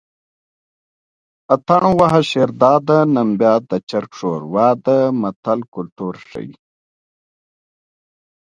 اتڼ وهه شیرداده نن بیا د چرګ ښوروا ده متل کولتور ښيي